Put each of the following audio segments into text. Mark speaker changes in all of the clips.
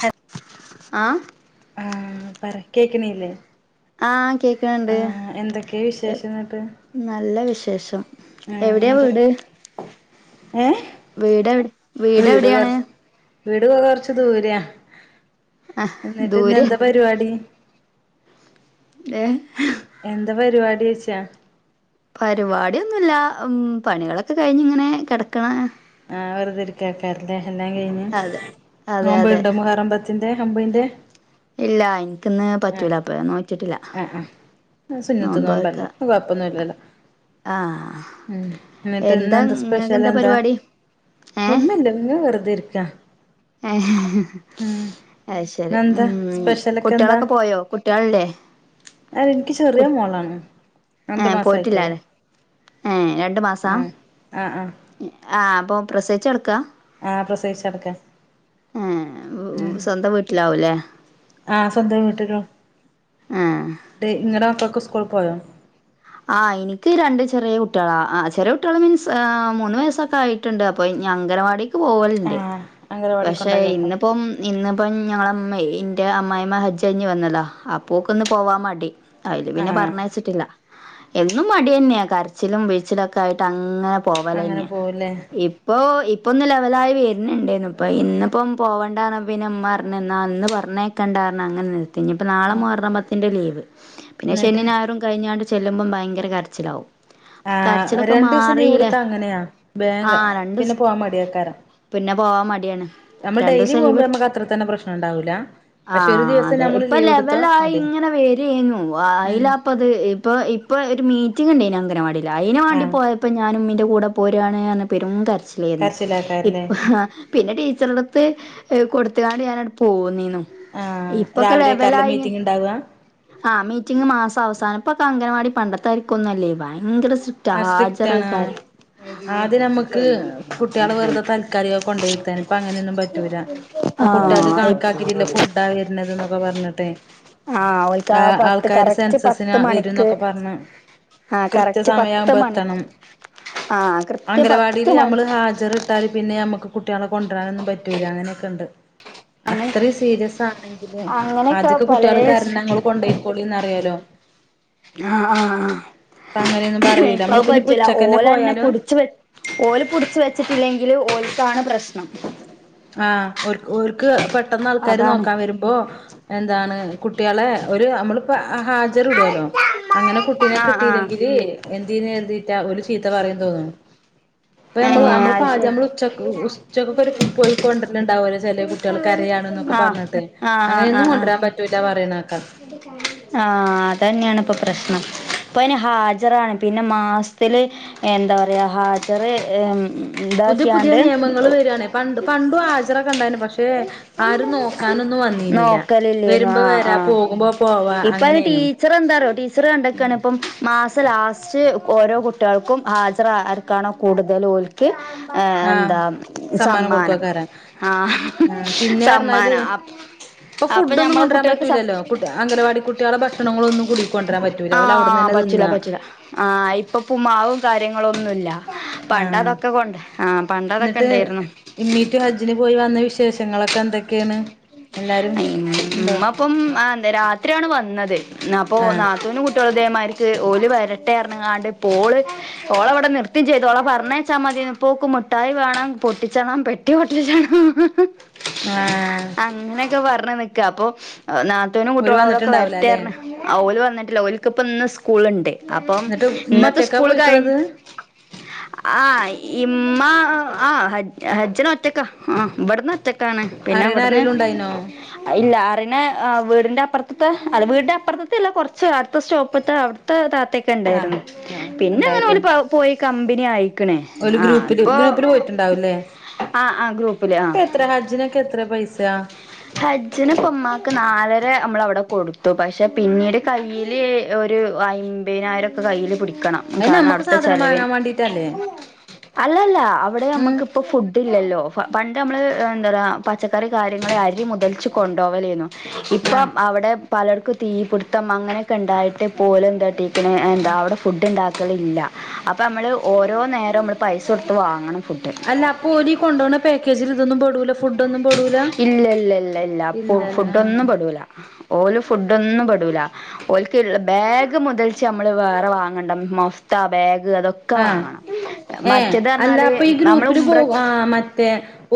Speaker 1: ഹ്
Speaker 2: ആഹ്
Speaker 1: ആഹ് പറ കേക്കണില്ലേ
Speaker 2: ആഹ് കേക്കണണ്ട്
Speaker 1: ആഹ് എന്തൊക്കെയാ വിശേഷം എന്നിട്ട്
Speaker 2: നല്ല വിശേഷം.
Speaker 1: ആഹ്
Speaker 2: എവിടെയാ
Speaker 1: ഇങ്ങട്ട്
Speaker 2: വീട്
Speaker 1: ഏഹ്
Speaker 2: വീട് വീട് എവിടെയാണ്?
Speaker 1: വീട് കോ കൊറച്ച് ദൂരയാ
Speaker 2: ആഹ്
Speaker 1: എന്നിട്ട്
Speaker 2: ദൂരെ
Speaker 1: എന്താ പരിപാടി?
Speaker 2: ഏഹ് ഹേ
Speaker 1: എന്താ പരിപാടി ഓച്ചാ
Speaker 2: പരിപാടിയൊന്നുല്ല പണികളൊക്കെ കഴിഞ്ഞ് ഇങ്ങനെ കിടക്കണ.
Speaker 1: ആഹ് വെറുതെരിക്ക ആക്കാരല്ലേ എല്ലാം കഴിഞ്ഞ്
Speaker 2: അതെ അതെ അതെ
Speaker 1: നോമ്പണ്ട മുഹറ ത്തിന്റെ മ്പിന്റെ
Speaker 2: ഇല്ല എനിക്കന്ന് പറ്റൂല അപ്പൊ നോച്ചിട്ടില്ല.
Speaker 1: ആ സുന്നത്ത്നപല്ല അപ്പ ഓകുഴപ്പൊന്നും ഇല്ലല്ലോ.
Speaker 2: ആഹ്
Speaker 1: ഉ
Speaker 2: എന്താ
Speaker 1: എന്നിട്ട്ന്തെന്താ
Speaker 2: നിങ്ങൾക്ക്
Speaker 1: സ്പെഷ്യൽ എന്താ?
Speaker 2: പരിപാടി
Speaker 1: ഒന്നും ഇല്ല ഇങ്ങ വെറുതെ ഇരിക്കാ.
Speaker 2: ആഹ് ഹെ
Speaker 1: ഉം
Speaker 2: അയ്ശരി
Speaker 1: ഇന്നെന്താ
Speaker 2: ഉം
Speaker 1: സ്പെഷ്യലൊക്കെ
Speaker 2: കുട്ടികളൊക്കെ പോയോ കുട്ടികളല്ലേ.
Speaker 1: അതെനിക്ക് ചെറിയ മോളാണ് രണ്ടു മാസായിട്ടോളൂ
Speaker 2: ഏഹ് രണ്ടു മാസ
Speaker 1: ആഹ് ആഹ്
Speaker 2: ആഹ് അപ്പൊ പ്രസവിച്ചടുക്ക?
Speaker 1: ആഹ് പ്രസേിച്ചടക്കാന്
Speaker 2: ഉം ഉം സ്വന്തം വീട്ടിലാവൂല്ലേ?
Speaker 1: ആഹ് സ്വന്തം വീട്ടലോ
Speaker 2: ആ
Speaker 1: നിങ്ങളടെ മക്കളൊക്കെ സ്കൂളിൽ പോയോ?
Speaker 2: ആ എനിക്ക് രണ്ട് ചെറിയ കുട്ടികളാ ആ ചെറിയ കുട്ടികള മീൻസ് മൂന്ന് വയസ്സൊക്കെ ആയി. ണ്ട് അപ്പൊ ഞൻ അംഗൻവാടിക്ക് പോവലുണ്ട്
Speaker 1: ആഹ് അംഗനവാടിക്ക്
Speaker 2: പക്ഷേ
Speaker 1: കൊണ്ടാക്കി വെക്കാം
Speaker 2: ഇന്നിപ്പം ഇന്നിപ്പം ഞങ്ങളമ്മ ഇന്റെ അമ്മായിമ്മ ഹജ്ജഞ് വന്നതാ അപ്പ ഒക്കെ ന്ന് പോവാൻ മടി. അയില് പിന്നെ
Speaker 1: ആഹ്
Speaker 2: പറഞ്ഞയച്ചിട്ടില്ല എന്നും മടി തന്നെയാ കരച്ചിലും വിഴച്ചിലും ഒക്കെ ആയിട്ട് അങ്ങനെ പോവല്
Speaker 1: അങ്ങനെ
Speaker 2: തന്നെയാ
Speaker 1: പോവുല്ലേ
Speaker 2: ഇ ഇപ്പോ ഇപ്പൊന്ന് ലെവലായി വരുന്നുണ്ടായിരുന്നു ഇപ്പ ഇന്ന് ഇപ്പം പോകണ്ടന്ന് പിന്നെ ഉമ്മ പറഞ്ഞ് എന്നാ അന്ന് പറഞ്ഞ കണ്ടാ കാരണം അങ്ങനെ നിർത്തി ഇനിപ്പോ നാളെ
Speaker 1: ആഹ്
Speaker 2: മുഹറം പത്തിന്റെ ലീവ് പിന്നെ ശനി
Speaker 1: എന്നിട്ട്
Speaker 2: ഞായറും കഴിഞ്ഞ ചെല്ലുമ്പം ഭയങ്കര കരച്ചിലാവും
Speaker 1: ആ
Speaker 2: അപ്പൊ കരച്ചിലൊക്കെ
Speaker 1: രണ്ടു ദിവസം ലീവ്
Speaker 2: മാറിയില്ലേ
Speaker 1: എടുത്താ അങ്ങനെയാ
Speaker 2: ആ
Speaker 1: ബാഗ് അ് പിന്നെ
Speaker 2: രണ്ടൂസം
Speaker 1: പോവാൻ മടിയാക്കാര
Speaker 2: പിന്നെ പോവാൻ മടിയാണ്
Speaker 1: നമ്മൾ ഡെയിലി
Speaker 2: രണ്ടൂസം
Speaker 1: പോകുമ്പോ
Speaker 2: ലീവ്
Speaker 1: നമ്മുക്ക് അത്ര തന്നെ പ്രശ്നം ഉണ്ടാവൂല
Speaker 2: ആഹ് അതെ ഇപ്പൊ ലെവലായി ഇങ്ങനെ വരുയായിരുന്നു
Speaker 1: ഉം
Speaker 2: അയിലപ് പ്പ് ഇപ്പൊ ഇപ്പൊ ഒരു മീറ്റിംഗ് ഉണ്ടയിന് അങ്ങനവാടില് അയിന് വേണ്ടി
Speaker 1: ആഹ്
Speaker 2: പോയ ഇപ്പം ഞാനും ഉമ്മിന്റെ കൂടെ പോരാണ്ന്ന് പെരും കരച്ചിലായിരുന്നു
Speaker 1: കരച്ചിലാക്കാരല്ലേ
Speaker 2: ഇപ്പ അ പിന്നെ ടീച്ചറടുത്ത് കൊടുത്തുകാണ് ഞാനിവിടെ പോന്നീനു
Speaker 1: ആഹ്
Speaker 2: ഇപ്പൊക്കെ
Speaker 1: രാവിലെക്കാരല്ലേ
Speaker 2: ലെവലായിങ്
Speaker 1: മീറ്റിംഗ് ഉണ്ടാവുക
Speaker 2: ആഹ് മീറ്റിംഗ് മാസ അവസാനം ഇപ്പൊക്കെ അംഗൻവാടി പണ്ടത്തായിരിക്കൊന്നുംല്ലേ ഭയങ്കര സൃ
Speaker 1: ആ സ്ട്രിക്റ്റാണ് ആ ആദ്യം നമുക്ക് കുട്ടികള് വെറുതെ തൽക്കാലികം കൊണ്ടയിരുത്തായിരുന്നു ഇപ്പൊ അങ്ങനെയൊന്നും പറ്റൂല ഇപ്പൊ കുട്ടികൾക്ക്
Speaker 2: ആഹ് ഇപ്
Speaker 1: കണക്കാക്കി ഫുഡാ വരുന്നത് എന്നൊക്കെ പറഞ്ഞിട്ടേ
Speaker 2: ആഹ് ഒൾക്ക് ആ പത്ത് കറക്റ്റ് പത്ത്
Speaker 1: വരും
Speaker 2: മണിക്ക് ആ കറക്
Speaker 1: സമയമാകുമ്പോ എത്തണം
Speaker 2: ആഹ് കൃത്യ പത്ത്
Speaker 1: അംഗലവാടിയില്
Speaker 2: മണി
Speaker 1: നമ്മള് ഹാജറ് ത്താല് പിന്നെ നമ്മുക്ക് കുട്ടികളെ കൊണ്ടുവരാനൊന്നും പറ്റൂല അങ്ങനെയൊക്കെ ഉണ്ട്
Speaker 2: അങ്ങനെ
Speaker 1: അത്രയും സീരിയസ് ആണെങ്കില്
Speaker 2: അങ്ങനെയൊക്കെ
Speaker 1: ആദ്യക്കെ
Speaker 2: പലേ
Speaker 1: കുട്ടികൾ കരഞ്ഞാൽ നിങ്ങള് കൊണ്ടുപോയിക്കോളിന്ന്റിയല്ലോ
Speaker 2: ആഹ്
Speaker 1: ഇപ്പ അങ്ങനെയൊന്നും പറയൂല
Speaker 2: ഇപ്പളത്
Speaker 1: നമ്മളിപ്പ ഇനിപ്പോ
Speaker 2: പറ്റൂല
Speaker 1: ഉച്ചക്കന്നെ
Speaker 2: ഓല് തന്നെ
Speaker 1: പോയാലും
Speaker 2: പൊടിച്ചു വലി ഓല് പുടിച്ച് വെച്ചിട്ടില്ലെങ്കില് ഓല്ക്കാണ് പ്രശ്നം
Speaker 1: ആഹ് ഒൾ ഒൾക്ക് പെട്ടെന്ന് ആൾക്കാര്
Speaker 2: അതാണ്
Speaker 1: നോക്കാൻ വരുമ്പോ എന്താണ് കുട്ടികളെ ഒരു നമ്മളിപ്പോ ഹാജർ ഇടുവല്ലോ അങ്ങനെ കുട്ടിയെ
Speaker 2: ആഹ് ആഹ്
Speaker 1: കിട്ടിയില്ലെങ്കില് എന്തിന്ന് എഴുതിറ്റാ ഒരു ചീത്ത പറയൂന്ന് തോന്നുന്നു ഇപ്പൊ നമ്മള്
Speaker 2: ഏഹ്
Speaker 1: നമ്മള്
Speaker 2: അത്
Speaker 1: പാചകം
Speaker 2: ശരി
Speaker 1: നമ്മൾ ഉച്ചക്ക് ഉച്ചക്കെരു ഫു പോയി കൊണ്ടിട്ടുണ്ടാവോലോ ചെലെ കുട്ടികൾ കരയാണ്ന്നൊക്കെ
Speaker 2: ആഹ്
Speaker 1: പറഞ്ഞിട്ട്
Speaker 2: ആഹ്
Speaker 1: അങ്ങനെയൊന്നും കൊണ്ടുവരാൻ പറ്റൂല പറയന്ന കേകാം
Speaker 2: ഇത് ഫോൺ ആഹ് അത് തന്നെയാണ് ഇപ്പൊ പ്രശ്നം ഇപ്പൊ അയിന് ഹാജറാണ് പിന്നെ മാ സത്തില് എന്താ പറയുക ഹാജറ് എം
Speaker 1: പുത് പുതിയ നിയമങ്ങൾ വരുകയാണെ പണ്ട് പണ്ടും ആജറൊക്കെ ഉണ്ടായിരുന്നു പക് ക്ഷേ ആരും നോക്കാനൊന്നും വന്നീനില്ല
Speaker 2: നോക്കലില്ലേന്നു
Speaker 1: വരുമ്പോ
Speaker 2: ആഹ്
Speaker 1: വരാ
Speaker 2: ആഹ്
Speaker 1: പോകുമ്പോ പോവാ
Speaker 2: ഇപ്പ അയ്ന്
Speaker 1: അങ്ങനെയായിന്നു
Speaker 2: ടീച്ചർ എന്താ പറയാ ടീച്ചർ കണ്ടൊക്കെയാണ് ഇപ്പം മാസം ലാസ്റ്റ് ഓരോ കുട്ടികൾക്കും ഹാജറാ ആർകാണോ കൂടുതല് ഓൽക്ക് ആ
Speaker 1: ആഹ്
Speaker 2: എന്താ സമ്മാനം ആഹ്
Speaker 1: ആ പിന്നെ പറഞ്ഞാല് ഇത്
Speaker 2: സമ്മാനം
Speaker 1: ഇപ്പൊ
Speaker 2: അപ്പൊ
Speaker 1: ഫുഡ് ഒന്നും
Speaker 2: ഞമ്മളെ
Speaker 1: കൊണ്ടുവരാ
Speaker 2: കുട്ടികൾക്ക് സ
Speaker 1: പറ്റൂലല്ലോ കുട്ട് അംഗലവാടി കുട്ടികളെ ഭക്ഷണങ്ങളൊന്നും കൂടി കൊണ്ട് വരാൻ പറ്റു
Speaker 2: ആഹ് പറ്റില്ല പറ്റില്ല ആ ഇപ്പൊ ഉപ്പ്മാവും കാര്യങ്ങളും ഒന്നുമില്ല പണ്ട്
Speaker 1: ആഹ്
Speaker 2: അതൊക്കെ കൊണ്ട് ആഹ് പണ്ട് അതൊക്കെ ഉണ്ടായിരുന്നു
Speaker 1: ഇമ്മീറ്റ് ഹജ്ജിന് പോയി വന്ന വിശേഷങ്ങളൊക്കെ എന്തൊ എല്ലാരും
Speaker 2: ഉമ്മ ഇപ്പം ആ രാത്രിയാണ് വന്നത് എന്നാപ്പൊ
Speaker 1: ആഹ്
Speaker 2: നാത്തൂനും കുട്ടി അതേമാർക്ക് ഓല് വരട്ടെ പറഞ്ഞ് ക്കാണ്ട് ഇപ്പോള് ഓള് ഇവിടെ നിർത്തി ചെയ്തു ഓള പറഞ്ഞേച്ചാൽ മതി ഇപോക്ക് മുട്ടായി വേണം പൊട്ടിച്ചണം പെ പെട്ടി പൊട്ടിച്ചാണം
Speaker 1: ആഹ്
Speaker 2: അങ്ങനെയൊക്കെ പറഞ്ഞ് നിക്കാ അപ്പൊ നാത്തൂനും
Speaker 1: ഓര്
Speaker 2: കൂട്ടികളോളെക്കെ
Speaker 1: വന്നിട്ടുണ്ടാവൂല അല്ലേ
Speaker 2: വരട്ടൊരന്ന് ഓല് വന്നിട്ടില്ല ഓലക്ക് ഇപ്പം ഇന്ന് സ്കൂളുണ്ട് അപ്പം
Speaker 1: എന്നിട്ട് ഉമ്മ
Speaker 2: ഇന്നത്തെ
Speaker 1: ഒറ്റക്കാ
Speaker 2: സ്കൂള് കഴി
Speaker 1: പോയിക്കണത്
Speaker 2: ആഹ് ഇമ്മ ആഹ് ഹജ് ഹജ്ജിനോറ്റക്ക ആഹ് ഇബെട്ന്നൊറ്റക്ക്. ട്ടാണ് പിന്നെ അവ്ട്ന്ന്.
Speaker 1: ഉണ്ടയ്നോ?
Speaker 2: അയ ഇല്ല അറിണേ എഹ് ആ വീടിന്റെ അപ്പറത്ത്ത്തെ അല്ലാ വീടിന്റെ അപ്പർത്ത്ത്തെല്ല കൊർച്ച് അടുത്ത സ്റ്റോപ്പത്തെ അവ്ട് ത്തെ
Speaker 1: ആഹ്
Speaker 2: താത്തൊക്കെണ്ടായിര്ന്നു
Speaker 1: ആഹ്
Speaker 2: പിന്നെ അങ്ങനെ
Speaker 1: ഉണ്ടായില്ലേ
Speaker 2: ഓല് പോയി കമ്പ്നി ആയി.
Speaker 1: ഓല് ഗ്രൂപ്പില് ഗ്രൂപ്പില് പോയിട്ടുണ്ടാവൂല്ലേ
Speaker 2: ആഹ് ആഹ് ഗ്രൂപ്പില്
Speaker 1: ഇപ്പത്രെ ഹജ്ജിന്? ക്കെത്രെപൈസ?
Speaker 2: ഹജ്ജ്‌ന് ഇപ്പം ഇമ്മാക്ക് നാലര നമ്മള അവ്ടെ കൊടുത്തു പഷെ പിന്നീട്. കയ്യില് ഒരു അയ്മ്പേനായ്രൊക്കെ കയ്യില് പിടിക്കണം.
Speaker 1: അത്
Speaker 2: കാരണം
Speaker 1: നമ്മക്ക്
Speaker 2: അവ്ട്ത്തെ
Speaker 1: സാധനം
Speaker 2: ചെലവിൻ
Speaker 1: വാങ്ങാൻ വേണ്ടീട്ടല്ലേ
Speaker 2: അല്ലല്ല അവടെ
Speaker 1: ഉം
Speaker 2: ഞമ്മക്ക്. ഇപ്പോ ഫുഡില്ലല്ലോ പണ്ട് ഞമ്മള് എന്താറയ പച്ചക്കറി കാര്യങ്ങൾ അരി മുതൽച്ചെ കൊണ്ടോവലെയ്ന്നു. ഇപ്പം
Speaker 1: ആഹ്
Speaker 2: അവടെ പലർക്കും തീപ്ട്ത്തം അങ്ങനെയൊക്കെണ്ടായിട്ട് നപോല് എന്താട്ടി. പിന്നെ
Speaker 1: ആഹ്
Speaker 2: എന്താവ്ടെ. ഫുഡ്ണ്ടാക്കലില്ല അപ്പം നമ്മള് ഓരോ ന്നെരം നമ്മള് പൈസൊട്ത്ത് വാങ്ങണം ഫുഡ്.
Speaker 1: അല്ല അപ്പൊ ഓലീ കൊണ്ടോണ പാക്കേജിൽ ഇതൊന്നും പെടൂല. ഫുഡൊന്നും പെടൂല
Speaker 2: ഇല്ല ഇല്ല ഇല്ല ഇല്ല അപ്പൊ
Speaker 1: ഇല്ലല്ലേ
Speaker 2: ഫുഡോന്നും
Speaker 1: ആഹ്
Speaker 2: പെടൂല. ഓല് ഫുഡോന്നും പെടൂല. ഓൽക്ക് ബെഗ് മുതൽച്ചെ ഞമ്മള് വേറെ വാങ്ങണ്ണ്ട മഫ്ത ബെഗ് അതൊക് ക്കെ
Speaker 1: ആഹ്
Speaker 2: വാങ്ങണം
Speaker 1: ഏഹ്
Speaker 2: മറ്റേത്
Speaker 1: അല്ല
Speaker 2: പർഞ്ഞാല്
Speaker 1: അപ്പൊ ഈ
Speaker 2: ന്നമ്മള്
Speaker 1: ഗ്രൂപ്പില് പോകും
Speaker 2: ഉംറക്ക്.
Speaker 1: ആഹ് മറ്റേ.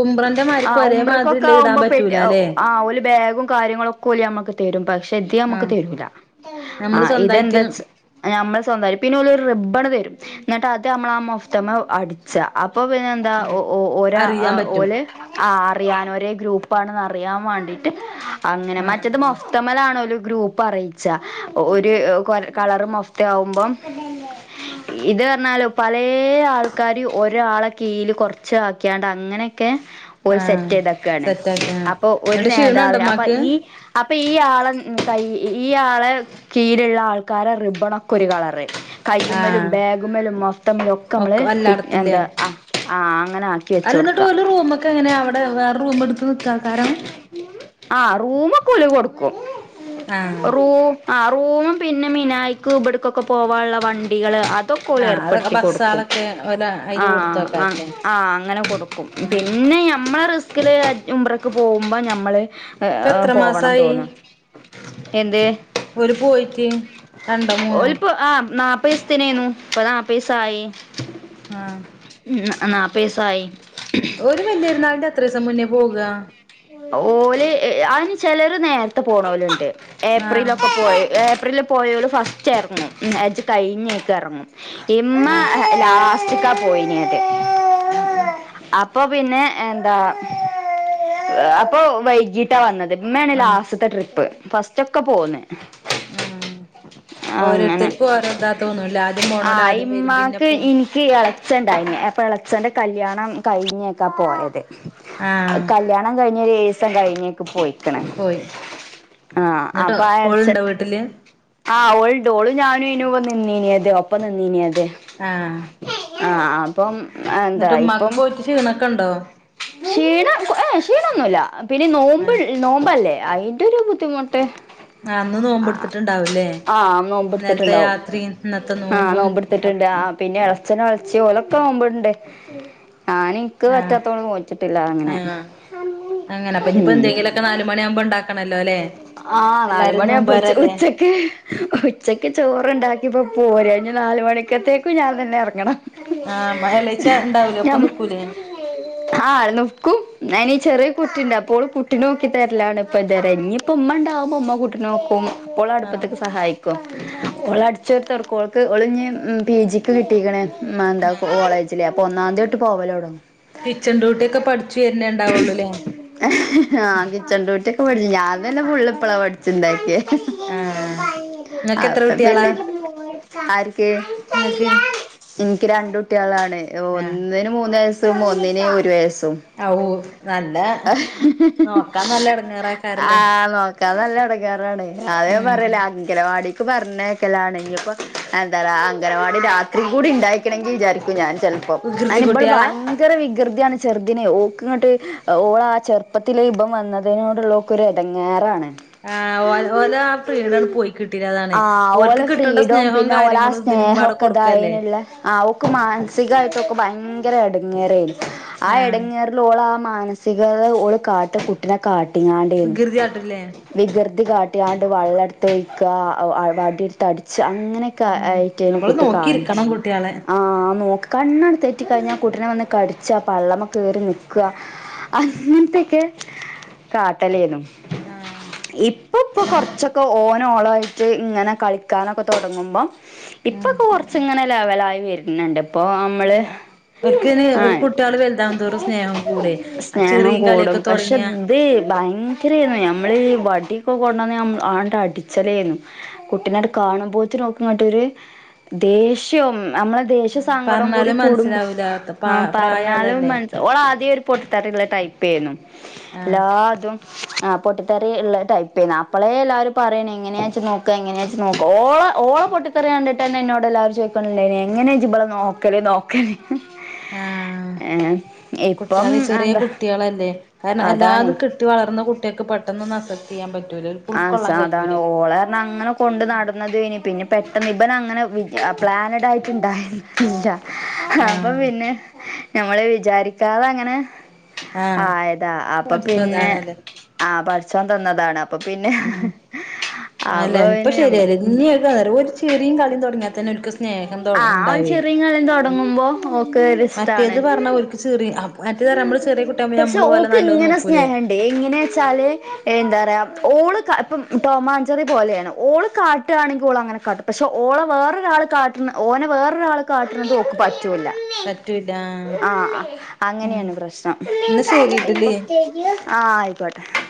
Speaker 1: ഉംറന്റെ മാരിക്ക്
Speaker 2: ആഹ്
Speaker 1: ഒരേ
Speaker 2: ഉംറക്കൊക്കെ
Speaker 1: മാതിരില്ല ഇടാൻ
Speaker 2: ആവുമ്പോ പെട്ട്
Speaker 1: പറ്റൂലല്ലേ
Speaker 2: ആഹ് ഓല് ബെഗും കാര്യങ്ങളും. ക്കൊല് ഞമ്മക്ക് തെരും പക്ഷെ ഇത് ഞമക്ക്
Speaker 1: ആഹ്
Speaker 2: തെരൂല
Speaker 1: നമ്മള്
Speaker 2: ആഹ്
Speaker 1: സ്വന്തായിട്ട്
Speaker 2: ഇതെന്താച്ച് ആഹ് ഞമ്മള് സ്വന്തയ് പിന്നൊലൊരു റിബണ് തെരും. ഇന്ന്ട്ട് അത് അമ്മള ആഹ് മൊഫ്തമ്മെ അട്ച്ച അപ്പൊ പിന്നെന്താ
Speaker 1: ഉം
Speaker 2: ഒഹ് ഒരാ
Speaker 1: അറിയാൻ
Speaker 2: ആഹ്.
Speaker 1: പറ്റും
Speaker 2: ആഹ് അറിയാൻ ഒരേ ഗ്രൂപ്പാണെന്ന് അറിയാൻ വാണ്ടിട്ട്. അങ്ങനെ മറ്റത്
Speaker 1: ആഹ്
Speaker 2: മൊഫ്തമല്ലാണോല് ഗ്രൂ പ്പറിയിച്ച ഒര് കൊ കളറ് മൊഫ്തായാവുമ്പം. ഇത് ർഞ്ഞാലും. പലെ ആൾക്കാര് ഒരാളെ കീയില് കൊർച്ചാക്കിയാണ്ട് അങ്ങനെക്കെ. ഓൽ
Speaker 1: ആഹ്
Speaker 2: സെറ്റെയ്തക്കാണ്
Speaker 1: സെറ്റാക്കി ആഹ്
Speaker 2: അപ്പൊ ഒര്
Speaker 1: എന്നിട്ട് ക്ഷീണണ്ടോ
Speaker 2: നേതാവ്ന് അപ്പൊ
Speaker 1: ഉമ്മാക്ക്
Speaker 2: ഈ അപ്പൊ ഈ ആളെ ൻതാ ഈയാളെ. കീയില്ള്ള ആൾക്കാരേ റിബണോക്കെ ഒരു കളറ്. കൈയ്യുമ്മലും
Speaker 1: ആഹ്
Speaker 2: ബെഗുമ്മലും മൊഫ്ത്തമ്മലും ഒക്കെ അമ്മള് എന്താ ആഹ് ആഹ് അങ്ങനെ ആക്
Speaker 1: അല്ലന്ന്ട്ട് ഓല് റൂമ്ക്കെങ്ങനെ അവടെ വേറെ റൂമ്ട്ത്ത് നിക്കാക്കാരം.
Speaker 2: അക്കൊല് കൊട്ക്കും
Speaker 1: ആഹ്
Speaker 2: റും. ആഹ് റൂമും പിന്നെ മിനായിക്ക് ഇമ്പട്ക്കൊക്കെ പോവാള്ള വണ്ടികള് അത് ദ ക്കൊല്
Speaker 1: ആഹ് അതൊക്കെ
Speaker 2: ഏർപ്പെടുത്തി കൊട്ക്കും
Speaker 1: ബസ്സാളൊക്കെ ഓല് അയില്
Speaker 2: ആഹ് ആഹ്
Speaker 1: കൊടുത്തക്കാരല്ലേ
Speaker 2: ആഹ് അങ്ങനെ കൊട്ക്കും. പിന്നെ ഞമ്മളെ റിസ്കില് ഉംറക്ക് പോകുമ്പോ ഞമ്മള്. ഏഹ്
Speaker 1: ഇപ്പ
Speaker 2: ആഹ്
Speaker 1: എത്ര
Speaker 2: പോവണം
Speaker 1: മാസായി
Speaker 2: തോന്നും. എന്തെ
Speaker 1: ഓല് പോയിട്ട് രണ്ടോ മൂന്നോ
Speaker 2: ഓൽപ്പോ ആഹ് ന്നാപ് പ്പീസ്ത്തിനെന്നു പ്പോ ന്നാപ്പീസായി.
Speaker 1: ആഹ്.
Speaker 2: ഉം ന്നാ ന്നാപ്പീസായി.
Speaker 1: ഒര് വല്ല്യാര്ന്നാളിന്റെ എത്രിസം മുന്നെ പോക?
Speaker 2: ഓല് എഹ് അയ്ന് ചെലൊര് നേരത്തെ പോണോല്ണ്ട്.
Speaker 1: ആഹ്
Speaker 2: ഏപ്രിലൊക്കെ പോയ് ഏപ്രിൽ പോയോല് ഫസ്റ്റ് എർങ്ങും ഉം ഹെജ്ജ്‌ കഴിഞ്ഞെക്കെ എർങ്ങും. ഇമ്മ
Speaker 1: ആഹ്
Speaker 2: ലാസ്റ്റക്കാ പോയിനത്.
Speaker 1: ആഹ് ഉം.
Speaker 2: അപ്പൊ പിന്നെ എന്താ? അപ്പൊ വൈകീട്ടാ വന്നത് ഇമ്മാണ്
Speaker 1: വന്ന്
Speaker 2: ലാസ്റ്റത്തെ ട്രിപ്പ് ഫസ്റ്റ് ഒക്കെ പോന്ന്.
Speaker 1: ഉം ആ
Speaker 2: അങ്ങനെ
Speaker 1: ഓരോരുത്തർക്കും ഓരോ ഇതാ തോന്നുംല്ല ആദ്യം പോണല്ലോ ആദ്യം വരും പിന്നെ പോ
Speaker 2: ഇളച്ചൻ ഉണ്ടായി അപ്പൊ ഇളച്ചന്റെ കല്യാണം കഴിഞ്ഞൊക്കാ പോയത്
Speaker 1: ആഹ്
Speaker 2: കല്യാണം കഴിഞ്ഞ എഴുസം കഴിഞ്ഞേക്കു പോയി
Speaker 1: പോയി
Speaker 2: ആഹ
Speaker 1: എന്നിട്ട്
Speaker 2: അപ്പൊ എളേച്ഛൻ
Speaker 1: ഓളുണ്ടോ വീട്ടില്
Speaker 2: ആ ഓൾണ്ട് ഓളു ഞാനും നു നിന്നീനത് ഒപ്പം നിന്നീനത്
Speaker 1: ആഹ്
Speaker 2: ആഹ് അപ്പൊ
Speaker 1: എന്നിട്ട് ഉമ്മാക്ക് പോയിട്ട് ക്ഷീണൊക്കെ ഉണ്ടോ?
Speaker 2: ക്ഷീണ ഏഹ് ക്ഷീണൊന്നുല്ല പിന്നെ നോമ്പ്
Speaker 1: ആഹ്
Speaker 2: നോമ്പല്ലേ അയിന്റെ ഒരു ബുദ്ധിമുട്ട്
Speaker 1: ആഹ് അന്ന് നോമ്പെടുത്തിട്ടുണ്ടാവൂല്ലേ
Speaker 2: ആഹ്
Speaker 1: ഇന്നലത്തെ
Speaker 2: നോമ്പിടുത്തിട്ടുണ്ടാവും
Speaker 1: രാത്രിയും ഇന്നത്തെ
Speaker 2: ആഹ്
Speaker 1: നോമ്പും അപ്
Speaker 2: നോമ്പിടുത്തിട്ടുണ്ട് ആഹ് പിന്നെ ഇളച്ചന ഇളച്ചി ഓലൊക്കെ നോമ്പ് ഉണ്ട് ഞാൻ ഇനിക്ക് പറ്റാത്തണ്ട്
Speaker 1: ആഹ അങ്ങനെപ്പനിയിപ്പോ എന്തെങ്കിലുക്കെ നാലുമണി ആവുമ്പോണ്ടാക്ക
Speaker 2: ആഹ നല് മണിയാപ്പ
Speaker 1: നോമ്പോരല്ലേ
Speaker 2: ഉച്ചക്ക് ഉച്ചക്ക് ചോറുണ്ടാക്കിപ്പോ പോര ഞ്ഞു ഞ് നാല് മണിക്കത്തേക്കും ഞാൻ തന്നെ ഇറങ്ങണം.
Speaker 1: ആഹ് ഇളെച്ചി ഉണ്ടാവൂലേ ഒപ്പം നിക്കൂലേ
Speaker 2: ആ നിക്കും നീ ചെറിയ കുട്ടിയുണ്ട് അപ്പോൾ കുട്ടി നോക്കി തരലാണ് ഇപ്പ ഇത് വരെ ആയിട്ട് ഇനി- അപ്പ ഉമ്മ ഉണ്ടാകുമ്പോൾ ഉമ്മ കൂട്ടിയെ നോക്കും അപ്പോൾ
Speaker 1: ആഹ്
Speaker 2: അടുപ്പത്തേക്ക് സഹായിക്കും ഓള് അടിച്ചോരി തൊടക്കും ഓൾക്ക്‌ ഒളിഞ് പി ജി ക്ക് കിട്ടീക്കണേ മ എന്താ
Speaker 1: ആഹ്
Speaker 2: കോളേജിലെ അപ്പൊ ഒന്നാം തീയതി തോട്ട് പോവലോടങ്ങും
Speaker 1: കിച്ചൺ ഡ്യൂട്ടിക്കെ പഠിച്ചു വരുന്നേ ഉണ്ടാവുള്ളൂല്ലേ
Speaker 2: ആഹ് കിച്ചൺ ഡൂട്ടിയൊക്കെ പഠിച്ചു ഞാൻ തന്നെ ഫുള്ള് ഇപ്പള പഠിച്ചുണ്ടാക്കിയേ
Speaker 1: ആഹ് നിങ്ങക്ക് എത്ര
Speaker 2: അപ്പ
Speaker 1: കുട്ടികളാ
Speaker 2: പിന്നെ ആർക്കു
Speaker 1: നിങ്ങക്ക്
Speaker 2: എനിക്ക് രണ്ട് കുട്ടികളാണ്
Speaker 1: ആഹ്
Speaker 2: ഒന്നിന് മൂന്ന് വയസ്സും ഒന്നിന് ഒരു വയസ്സും
Speaker 1: ഔ നല്ല നോക്കാൻ നല്ല എടങ്ങറ
Speaker 2: ആഹ് നോക്കാ നല്ല ഇടങ്ങേറാണ് അതെ ഞാൻ
Speaker 1: ഉം
Speaker 2: പറയല് അങ്കണവാടി പറഞ്ഞക്കലാണെങ്ക ഇപ്പോ എന്താ പറ അംഗനവാടി രാത്രി കൂടി ഉണ്ടായിക്കണമെങ്കിൽ വിചാരിക്കൂ ഞാൻ ചെലപ്പോ പ്പം
Speaker 1: വികൃതി
Speaker 2: അതിന് ഇബൾ
Speaker 1: കുട്ടികളാ
Speaker 2: ഭയ- ങ്കര വികൃതിയാണ് ചെറുതിന്നു ഓക്കു ഇങ്ങട്ട് ഓള ആ ചെറുപ്പത്തിലെ ഇപൻ വന്നതിനോടുള്ള- ഓക്കൊരു എടങ്ങാറാണ്
Speaker 1: ആ ഓ ഓലോ ആ ഫ്രീടം പോയി കിട്ടിയതാണ്
Speaker 2: ആഹ്
Speaker 1: ഓർക്ക്
Speaker 2: ഓലെ
Speaker 1: കിട്ടേണ്ട
Speaker 2: ഫ്രീഡം
Speaker 1: സ്നേഹവും
Speaker 2: പിന്നെ ഓലെ ആ
Speaker 1: കാര്യങ്ങളും ഇതിനുമപാടെ
Speaker 2: സ്നേഹൊക്കെ
Speaker 1: കൊടുക്കല്ലേ
Speaker 2: ഇതായേനുള്ള ആഹ് ഓക്ക് മാനസികമായിട്ടൊക്കെ ഭയങ്കര ഇടങ്ങേറാരുന്നു ആ
Speaker 1: ആഹ്
Speaker 2: എടങ്ങേറ് ഓൾ ആ മാനസികത ഓള് കാട്ട് കുട്ടിനെ കാട്ടിങ്ങാണ്ട്
Speaker 1: വികൃതിയാട്ടും ല്ലേ
Speaker 2: വികൃതി കാട്ടികാണ്ട് വള്ളടുത്ത് ഒഴിക്ക വടിയെടുത്ത് അടിച്ച് അങ്ങനെ ക്കാ
Speaker 1: ഉം
Speaker 2: അതൊക്കെ ആയിട്ട്
Speaker 1: നമ്മള്
Speaker 2: കുട്ടി കാണിച്ചു
Speaker 1: നോക്കിയിരിക്കണം കുട്ടികളെ
Speaker 2: ആ നോക്ക് കണ്ണണ്ട് തെറ്റി കഴിഞ്ഞാൽ കുട്ടിനെ വന്ന് കടിച്ചാ പള്ളമ്മ കേറി നിക്ക- ക്ക അങ്ങനത്തെക്കെ ട്ടലേന്നു.
Speaker 1: ആഹ്
Speaker 2: ഇപ്പോ ഇപ്പോ കുറച്ചൊക്കെ ഓൻ ഓളോ ആയിട്ട് ഇങ്ങനെ കളിക്കാനൊക്കെ തുടങ്ങുമ്പോൾ ഇപ്പൊ
Speaker 1: ആഹ്
Speaker 2: കുറച്ച് ഇങ്ങനെ ലെവലായി വരുന്നുണ്ട് ഇപ്പൊ നമ്മള്
Speaker 1: അവർക്ക്
Speaker 2: ആഹ്
Speaker 1: കുട്ടികള് വലുതാ തോറും സ്നേഹം കൂടും
Speaker 2: സ്നേഹം കൂടും പക്ഷെ ദ് ഭയങ്കരായിരുന്നു നമ്മള് ഈ വടിയോക്കെ കൊണ്ടുവന്ന് ആണ്ട് അടിച്ചലായിന്നു കുട്ടിനെ കാണുമ്പോത്തിന് ഓല്ക്കങ്ങട്ട് ഒരു ദേഷ്യവും നമ്മളെ ദേശ്യം
Speaker 1: ആഹ്
Speaker 2: സങ്കടം കൂടി
Speaker 1: പറഞ്ഞാലും
Speaker 2: കൂടുമ്പോ
Speaker 1: മനസ്സിലാവൂല
Speaker 2: ആ
Speaker 1: പ പ്രായം
Speaker 2: പറഞ്ഞാലും
Speaker 1: അതല്ലേ
Speaker 2: മ ഓള ആദ്യം ഒരു പൊട്ടിതെറിള്ള ടൈപ്പെന്നു
Speaker 1: ആഹ്
Speaker 2: എല്ലാ പൊട്ടിത്തെറിള്ള ടൈപ്പയ്ന് അപ്പളെ എല്ലാവരും പറയണ എങ്ങനെയാജ്ജ് നോ ങ്ങനെയ നോ ഓള ഓള പൊട്ടിതെറിയണ്ടിട്ട്ന്ന എന്നോട് എല്ലാവരും ചോദിക്കലിണ്ടായിനു എങ്ങനെയ ജ്ജ് ഇബള നോക്ക ക്കല് നോക്കല്
Speaker 1: ആഹ്
Speaker 2: ഏഹ് ഇപ്പം
Speaker 1: കുട്ടികളെ ചെറിയ
Speaker 2: എന്താ
Speaker 1: കുട്ടിയളല്ലേ കാരണം
Speaker 2: അതാണ്
Speaker 1: എല്ലാതും കിട്ടി വളർന്ന കുട്ടികൾക്ക് പെട്ടെന്നൊന്നുമാസെപ്റ്റ് ചെയ്യാൻ പറ്റു
Speaker 2: ആഹ് സാധാണ് ഓളര്ഞ അങ്ങനെ കൊണ്ട് നടന്നതയിനി പിന്നെ പെട്ട നങ്ങട്ട് ഇബനങ്ങട് പ്ലാനഡ് ആയിട്ട്ണ്ടായതല്ലാ അപ്പൊ
Speaker 1: ആഹ്
Speaker 2: പിന്നെ ഞമ്മള് വിചാരിക്കാതെ ങ്ങനെ
Speaker 1: ആഹ്
Speaker 2: ആയതാ അപ്പൊ പിന്നെ
Speaker 1: പടച്ചോൻതാണല്ലേ
Speaker 2: ആഹ് പഠചോൻ തന്നതാണ് അപ്പൊ പിന്നെ
Speaker 1: ഉം
Speaker 2: അവ പിന്നെമ്മ
Speaker 1: ഇനിയക്കാ നേ ഒരു ചിരീം കളിയും തുടങ്ങാത്തന്നെനിക്ക് സ്നേഹം
Speaker 2: ആഹ് ഓള്
Speaker 1: ഉണ്ടാവേ
Speaker 2: ചെറിയ കളി തുടങ്ങുമ്പോ ഓക്ക്
Speaker 1: മറ്റേത്
Speaker 2: ഒരിഷ്ടാണ്
Speaker 1: പറഞ്ഞ ചെറിയ മറ്റേതറഞ്ഞ നമ്മള്ചെറിയ കുട്ടിയക്പോ നമ്മള് ഓലെ നല്ല നോക്കൂലേ
Speaker 2: എങ്ങനെച്ചാല് എന്താ പറയാ ഓള് ഇപ്പ ടോമാചറി പോലെയാണ് ഓള് കാ ട്ടുകയാണെങ്കിൽ ഓള അങ്ങനെ കാട്ടും പക്ഷെ ഓലെ വേറൊരാെ കാട്ട ഓനെ വേറൊരാെ കാട്ടിന്നത് തോൽക്ക് പറ്റുല റ്റൂല
Speaker 1: പറ്റൂല
Speaker 2: ആഹ്
Speaker 1: ഉം
Speaker 2: അങ്ങനെയാണ് പ്രശ്നം
Speaker 1: എന്നാ
Speaker 2: ഇപോ
Speaker 1: ശരിട്ടില്ലേ
Speaker 2: ആഹ് ആയിക്കോട്ടെ